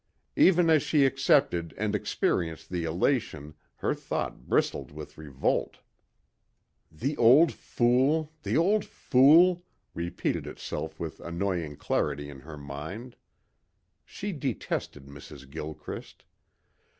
Even as she accepted and experienced the elation her thought bristled with revolt. "The old fool ... the old fool," repeated itself with annoying clarity in her mind. She detested Mrs. Gilchrist.